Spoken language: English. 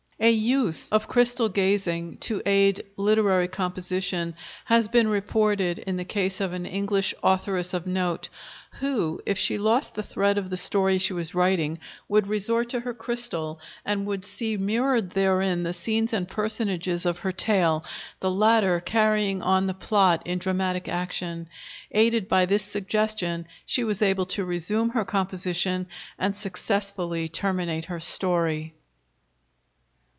A use of crystal gazing to aid literary composition has been reported in the case of an English authoress of note, who, if she lost the thread of the story she was writing, would resort to her crystal, and would see mirrored therein the scenes and personages of her tale, the latter carrying on the plot in dramatic action. Aided by this suggestion she was able to resume her composition and successfully terminate her story.